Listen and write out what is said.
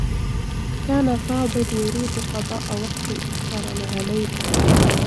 كان فاضل يريد قضاء وقت أكثر مع ليلى.